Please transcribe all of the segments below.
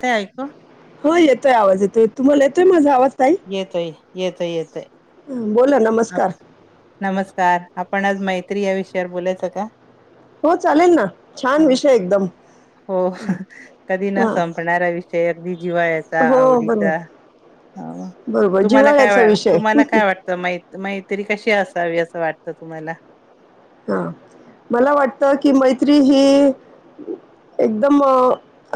काय क हो येतोय आवाज येतोय तुम्हाला येतोय माझा आवाज? ताई येतोय येतोय येतोय. हं, बोला नमस्कार नमस्कार आपण आज मैत्री या विषयावर बोलायचं का? हो चालेल ना छान हा, विषय एकदम हो कधी न हा संपणारा विषय अगदी जिवाळ्याचा हो बरोबर आवडीचा बरोबर तुम्हाला काय जिव्हाळ्याचा वा विषय तुम्हाला काय वाटतं मै मैत्री कशी अस वी असं वाटतं तुम्हाला? हा, मला वाटतं कि मैत्री हि एकदम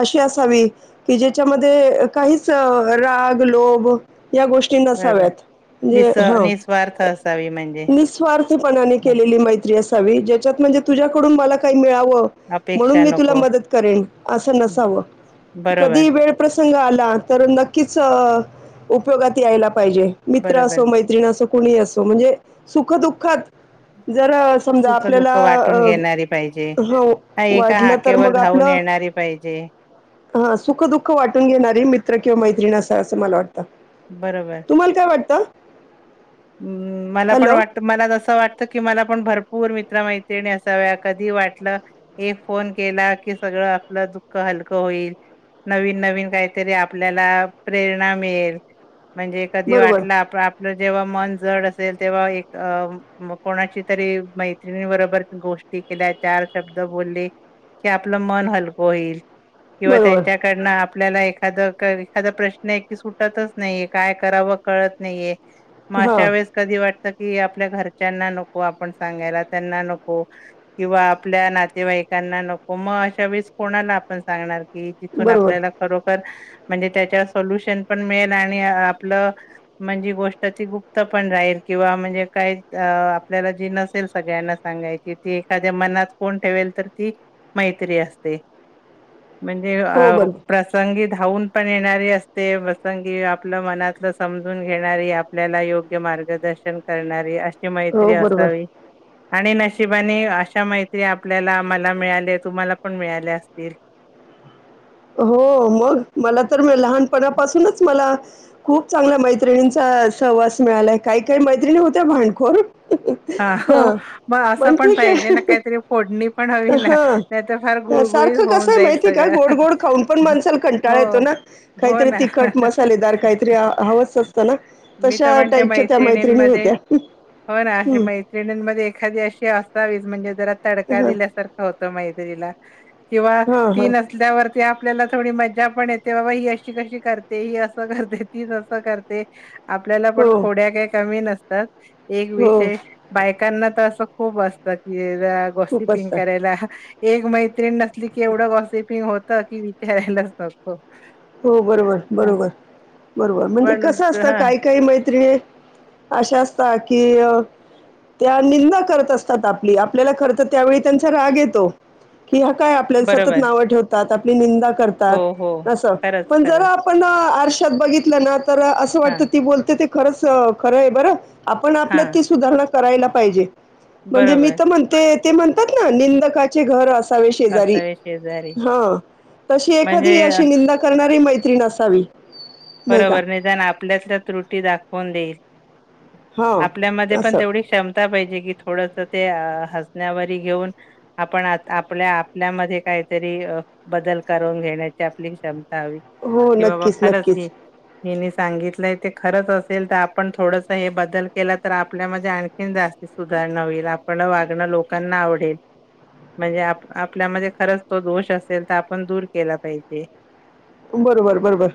अशी असावी, की ज्याच्यामध्ये काहीच अ राग लो लोभ या गोष्टी बरोबर नसाव्यात. जे निस हा, निस्वार्थ असावी म्हणजे निस्वार्थपणाने हा, केलेली मै जे असावी, ज्याच्यात म्हणजे तुझ्याकडून मला काही मिळा आवं म्हणून अपेक्षा मी तुला नको. मदत करेन असं नसावं, कधी बरोबर ही वेळ प्रस् संग आला, तर नक्कीच उपयोगात यायला पाहिजे, मित्र बरोबर असो मैत्रिण असो. कुणीही असो. म्हणजे सुखदुःखात जर- अ, समजा सुख आपल्याला दुःख अ, वाटून घेणारी पाहिजे. हो एका वाटलं हाकेवर धावून येणारी पाहिजे. जे. हा, सुख दुःख वाटून घेणारी मित्र किंवा मैत्रिण‌ असावी. असं मला वाटतं. बरोबर. तुम्हाला काय वाटतं? हम्म. मला पण हॅलो? वाटतं. मला जसं वाटतं की मला पण भर- भरपूर मित्र मैत्रिणी असाव्या. कधी वाटलं एक फोन केला की सगळं आपलं दुःख होई नवीन-नवीन काहीतरी आपल्याला प्रेरणा मिळेल. म्हणजे कधी बरोबर, वाटलं आप आपलं जेव्हा. मन जड असेल तेव्हा. एक अं.. कोणाची तरी मैत्रिणीबरोबर गोष्टी केल्या- चार शब्द बोलले की. आपलं मन हलकं होईल. किंवा बरोबर. त्यांच्याकडून आपल्याला एक. एखादं एखादा प्रश्न आहे की. सुटतच नाहीये काय करावं कळत नाहीये. मग हां, अशा वेळेस कधी वाट- वाटत की आपल्या घरच्यांना नको आपण सांगायला, त्यांना नको किंवा आपल्या नातेवाईक त्यांना नको मग अशा वेळीस कोणाला आपण सांगणार की जिथून बरोबर. आपल्याला खरोखर - म्हणजे त्यांच्यावर सोल्युशन पण मिळेल आणि आपलं म्हणजे गोष्ट ती खूप- पण राहील किंवा म्हणजे काय आपल्याला जी नसेल सगळ्यांना सांगायची ती एखाद्या मन ना फोन ठेवेल तर ती मैत्री असते. म्हणजे हो, अ बरोबर. प्रसंगी. धावून पण येणारी असते, प्रसंगी आपलं मनातलं समजून घेणारी, आपल्याला योग्य योग्य मार्गदर्शन करणारी अशी मैत्री हो, बरोबर. असावी. आणि नशिबाने अशा मैत्री आपल्याला, मला मिळाल्या... तुम्हाला पण मिळाल्या असतील! हो मग, मला तर लहानपणापासूनच मला- खूप चांगल्या मैत्रिणींचा सहवास मिळालाय. काही-काही मैत्रिणी होत्या भांडखोर! हा, हो हां, मग! असं पण पाहिजे ना काहीतरी फोडणी- पण हवी ना, नाहीतर फार हा, गुळगुळीत सारखं होऊन कसंय जाईल माहितीय का, सगळं. गोड-गोड खाऊन पण माणसाला कंटाळा येतो हो, ना! हो काहीतरी ना. तिखट, मसालेदार काहीतरी हवंच असतं ना. मी तर तशा म्हणते टाईपच्या त्या मैत्रिनी. मैत्रिणींमध्ये होत्या. हो ना, अशी हं, मैत्रिणींमध्ये एखादी अशी असावीच. म्हणजे जरा तडका हां, दिल्यासारखा होतं मै- मैत्रिणीला. तेव्हा हां, ती हां. नसल्यावर ते आपल्यालाच. थोडी मजा पण येते बाबा! ही अशी कशी करते, ही असं करते, तीच असं करते. आपल्याला हो, पण खोड्या काय कमी नसतात. एक हो, विषय बायकांना असं खूप असतं की. जरा गोष्टी खूप पिंग असतात. करायला एक मैत्रीण - की येवढं कॉसिपिंग होत की. विचारायलाच नको. हो बरोबर, ह बरोबर! बरोबर, म्हणजे पण कसं असतं, हा काही काही मैत्रिणी अशा असतात कि. त्या निंदा करत असतात. आपली आपल्याला खरं तर त्यावेळी त्यांचा राग येतो. कि हा काय आपल्याला सतत बरोबर नावं ठेवतात, आपली निंदा हो हो करतात असं. खरंच पण जरा खरंच आपण आरशात बघितलं ना, तर असं हा वाटतं ती बोलते ते. खरंच खरं आहे बरं, आपण हा आपल्यात ती सुधारणा करायला पाहिजे. म्हणजे मी बरोबर तर म्हणते ते म्हणतात ना, निंदकाचे घर असं शेजारी असावे शेजारी हा तशी म्हणजे एखादी अशी निंदा येणारी मैत्री असावी. नाही का? बरोबर निदान आपल्यातल्या त्रुटी दाखवून देईल. हां, आपल्यामध्ये पण असं. तेवढी क्षमता पाहिजे. की थोडसं ते अ हसण्यावरी घेऊन आपण आत आपल्या आपल्यामध्ये काहीतरी बदल करून घेण्याची आपली क्षमता हवी, हो, की बाबा नक्कीच, खरंच ही नक्कीच. मी सांगितलंय ते खरंच असेल तर आपण थोडसं हे बदल केला तर आपल्यामध्ये आणखी जास्ती सुधारणा होईल. आपलं वागणं लोकांना आवडेल. म्हणजे आप आपल्यामध्ये खरंच तो दोष असेल तर आपण दूर केला पाहिजे. बरोबर बरोबर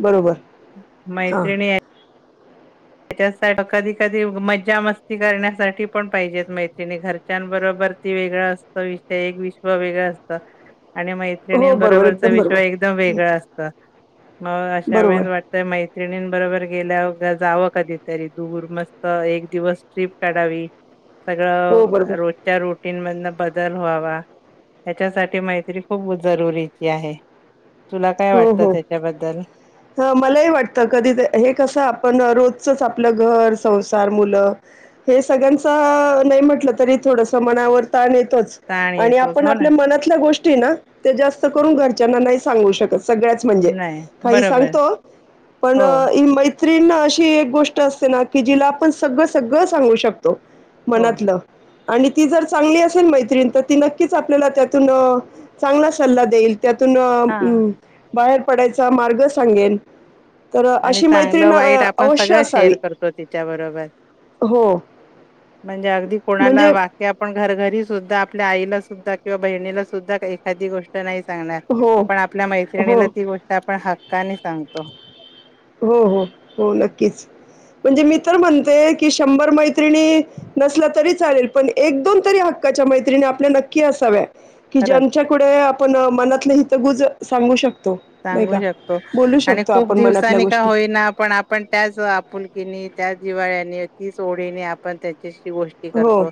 बरोबर हा त्याच्यासा कधी कधी मज्जा मस्ती करण्यासाठी पण पाहिजेत मैत्रिणी घरच्यांबरोबर ते वेगळं असत विषय एक विश्व वेगळं असत. आणि हो, मैत्रिणींनं बरोबर, बरोबरचं एकदम विश्व बरोबर. एकदम हं, वेगळं असत. म अशा बरोबर. वेळेस वाटतय मैत्रिणींनं बरोबर गेल्याव र जावं कधीतरी दूर मस्त एक दिवस ट्रीप काढावी. हो, सगळं बरोबर. रोजच्या रुटीन मधंन बदल व्हावा ह्याच्यासाठी मैत्री खूप जरुरीची आहे. तुला काय हो वाटतं हो त्याच्याबद्दल ह मलाही वाटत कधी हे कसं आपण रोज चच आपलं घर, संसार, मुलं हे सगळ्यांच नाही म्हटलं तरी थोडसं मना वर ताण ये तोच, ताण आणि येतोच आपण हो ना आपल्या मनातल्या गोष्टी ना ते जास्त करून घरच्यांना नाही सांगू शक सगळ्याच म्हणजे नाही काही बरोबर सांगतो पण हो इमै त्रीण अशी एक गोष्ट असते ना की जीला आपण सगळं सगळं सांगू शक तो हो मनातलं. आणि ती जर चांगली असेल मैत्रीण तर ती नक्कीच आपल्याला त्यातून अ चांगला सल्ला देईल. त्यातूनं हां अ बाहेर पडायचा मार्ग सांगेल. तर अ, आणि अशी चांगलं मैत्रीण वाईट अ, आपण अवश्य सगळं असावी. शेअर करतो तिच्याबरोबर हो, म्हणजे अगदी कोणाला म्हणजे वाक्य आपण घर घरी सुध्दा आपल्या आईलासुद्धा किंवा बहिणीला सुध्दा एखादी गोष्ट नाही सांगणार हो, पण आपल्या हो. मैत्रिणीला ती गोष्ट आपण हक्काने सांगतो. हो हो हो नक्कीच. म्हणजे मी तर म्हणते की शंभर मैत्रिणी नसल्या तरी चालेल पण एक दोन तरी हक्का च्या मैत्रीणी आपल्या नक्की असाव्या. की खरंच ज्यांच्याकडे आपण मनातले हितगूज सांगू शक तो नाही सांगू का शकतो बोलू आणि शकतो खूप आपण मनात दिवसांनी होईना पण आपण त्याच आपुलकीने त्याच जिवाळ्यानी तीच ओढीने आपण त्या शी गोष्टी हो, करतो,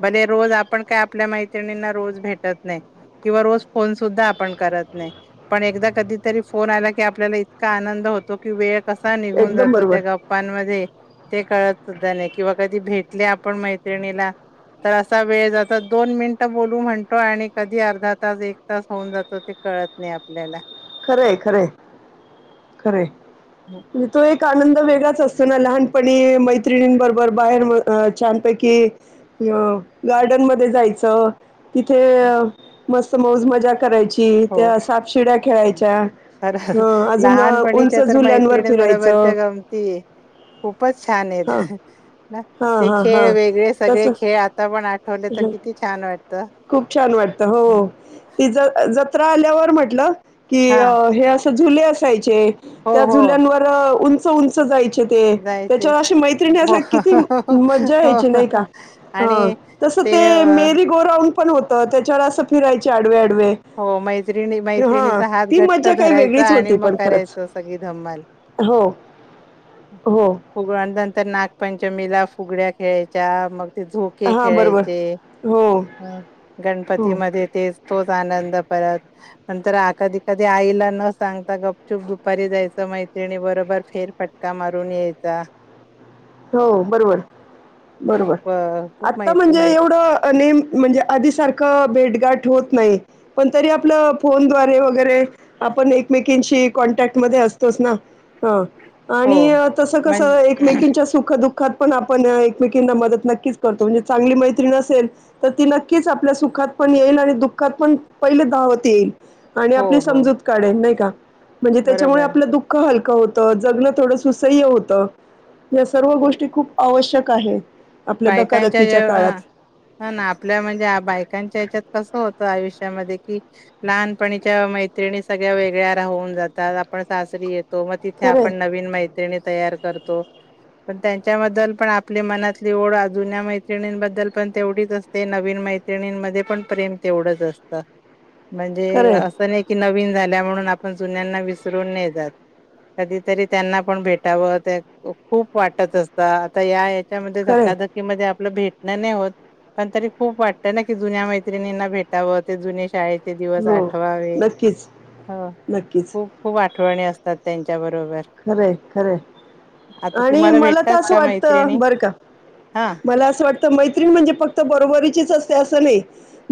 भले रोज आपण काय आप पल्या मैत्रीणीना रोज भेटत नाय, किंवा रोज फोनसुध्दा आपण करत नाय, पण एकदा कधीतरी फोन आला की आपल्याला इतका आनंद होतो की वेळ कसा निघून एकदम जातो बरोबर. त्या गप्पांमध्ये ते कळत सुद्धा नाय. किंवा कधी भेटले आपण मैत्रिणीला त असा वेळ जातं, दोन मिनिटं बोलू म्हणतो आणि कधी अर्धा तास एक तास होऊन जातो ते कळत नाही आपल्याला खरंय खरंय खरंय म तो एक आनंद वेगळाच अस तो ना लहानपणी मैत्रिणींबरोबर बाहेर म अ छानपैकी गार्डनमध्ये जायचं तिथे अ मस्त मौज मजा करायची त्या सापशिड्या खेळाय खर लहानपणीच्या उंच तर झुल्यांवर मैत्रिणीनं फिरायचं. बरोबरच्या गंमती खुपचं छान आहेेत हां, अ ह. ना हां, ते हां, खेळ हां. वेगळे सगळे तसं खेळ आता पण आठवले तर हं. किती छान वाटतं. खूप छान वाटतं हो तीज जत त्रा आल्यावर म्हटलं की हा हे असं झुले असायचे. हो त्या हो जुल्यांवर उंच उंच जाय ते जायचे त्याच्यावर अशी मैत्रिणी हो असल्यावर किती हो मज्जा यायची नाही हो का? हा आणि तस ते अ मेरी गो रांउड पण होत त्याच्यावर असं फिरायचे आडव्या आड हो मैत्रिणी मैत्रिणीचा हा त ती घट्ट मज्जा काही धरायचा वेगळीच आणि होती मग पण खरंच. करायच सगळी धमाल. हो, हो. फुगळ्या नंतर नागपंचमीला फुगड्या खेळायच्या मग झोके हां, बरोबर. खेळायचे हो, गणपती हो, हं मध्ये तेच तोच आनंद परत नंतर आ कधी कधी आईला न सांगता गपचुप दुपारी जायचं मै त्रिणी बरोबर फेर फटका मारून यायचा. हो बरोबर. बरोबर खूप अ खूप आत्ता माहिती म्हणजे माहित एवढं नेम म्हणजे आधी सारखं भेटगाट होत नाही पण तरी आपल फोनद्वारे वगैरे आपण एकमेकिंशी कॉन्टॅक्टमध्ये अ असतोच ना हो आणि तस कस म्हण एकेमेक सुख दुःखात पण आपण एकमेकीना मदत नक्कीच करतो म्हणजे चांगली मैत्रीण असेल तर ती नक्की आपल्या सुखात पण येईल आणि दुःखात पण पहिले धावत येईल. आणि हो आपली हो समजूत काढेल नाही का म्हणजे त्याच्यामुळे बरोबर आपलं दुःख हलकं होत जगण थोडं सुसह्य होत या सर्व गोष्टी खूप आवश्यक आहेत. बायकांच्या ज अ हो ना आपल्या म्हणजे बायकांच्या हच्यात कस होत आयुष्यामध्ये की लहानपणीच्या मैत्रिणी सगळ्या वेगळ्या राहून जातात आ पण सासरी येत मग तिथे खरे आपण नवीन मैत्रिणी तयार करतो पण त्यांच्याबद्दल पण आपल्या मनात ओढ जुन्या मैत्रिणींबद्दल पण तेवढीच असते नवीन मैत्रिणींमध्ये पण प्रेम तेवढंच अस त म्हणजे खरे असं नाही की नवीन झाल्या म्हणून आपण जुन्यांना विसरून नाही जात. कधीतरी त्यांना पण भेटावं ते त्या खूप वाटत असत आता या ह्यच्यामध खरे धाकादक्तीमध्ये आप भेटणं नाही होत पण तरी खूप वाटत ना की जुन्या मैत्रिणींना भेटावं ते जुने शाळेे दिवस हो आठवावे नक्कीच हो नक्कीच खूप खूप आठवणी असतात त्यांच्याबर खरंय खरंय आता आणि तुम्हाला मला तरं भेटतात अस का वाटतं मैत्रिणी बरं का हा मला असं वाटत मैञिण म्हणजे फक्त बरोबरीची असते अस नाही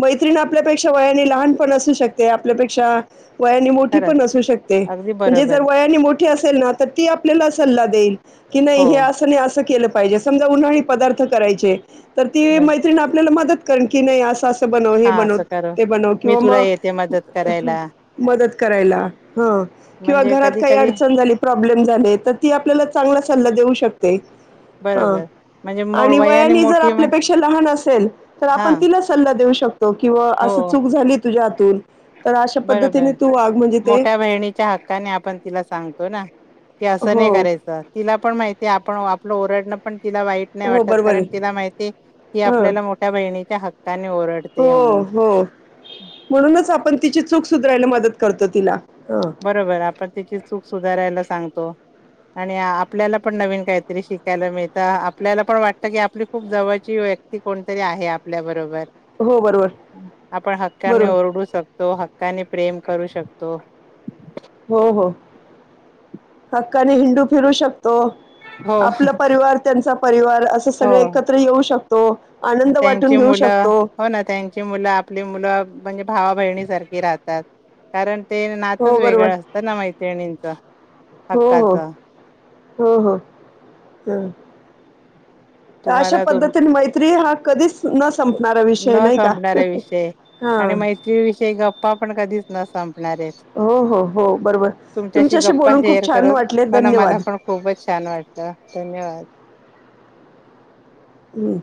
मैञिण आपल्यापेक्षा वयाने लहान पण असू शकते आपल्यापेक्षा वयाने मोठी खरंच पण असू शकते अगदी म्हणजे बरोबर. जर वयाने मोठी असेल ना तर ती आपल्याला सल्ला देईल. कि नाही हो, हे असं नाही असं केलं पाहिजे समजा उन्हाळी पदार्थ करायचे तर ती बर मैत्रिण आपल्याला मदत करन की नाही असं बन हे हां बनव असं करू. ते बनव मी किंवा तुला मग येते मदत अ हा. करायला. मदत करायला ह किंवा म्हणजे घरात काही कधी-कधी अडचण झाली प्रॉब्लेम्स झाले तर ती आपल्याला चांगला सल्ला देऊ शकते. हां बरोबर. म्हणजे मो आणि वयाने जर मोठी म आपल्यापेक्षा लहान असेल तर आपण हां, तिला सल्ला देऊ शक तो किंवा हो असं चूक झाली तुझ्या हातून तर अशा बरोबर पद्धतीने तू वाघ म्हणजे ते मोठ्या बहिणीच्या हक्काने आपण तिला सांगतो ना. की असं हो नाही करायचं तिला पण माहितीय आपण आपलं ओरडणं पण तिला वाईट नाही हो वाटत बरोबर आहे कारण तिला माहितीये की हां आपल्याला मोठ्या बहिणीच्या हक्काने ओरडतेय म्हणून. हो. अम्म. म्हनुनच आपण तिची चूक सुधरायला मदत करतो तिला. हां बरोबर आपण तिची चूक सुधारायला सांगतो आणि आपल्याला पण नवीन काहीतरी शिकायला मिळतं आपल्याला पण वाटतं की आपली खूप जवळची व्यक्ती कोणतरी आहे आपल्यारोबर हो बरोबर आपण हक्कान बरोबर ओरडु शकतो काने प्रेम करू शकतो हो, हो हक्काने हिंडू फिरू शकतो हो आपला परिवार त्यांचा परिवार असं हो सगळे एकत्र येऊ शकतो आनंद वाटून त्यांची घेऊ शकतो मुलं हो ना त्यांची मुलं आपली मुलं म्हणजे भावा बहिणीसारखी राहतात कारण ते नातच हो बरोबर वेगळं असतं ना मैत्रिणींच हो हक्काच हो हो, हो हा तर अशा तुम्हाला तुम पद्धतीने मैत्री हा कधीच न संपणारा विषय न नाही का संपणारा विषय हा आणि मैत्रीविषयी गप्पा पण कधीच न संपणार आहेत हो हो हो बरोबर तुमच्याशी गप्पा बोलून खूप शेअर छान करून वाटले हो ना मला धन्यवाद पण खूपच छान वाटत धन्यवाद! ह्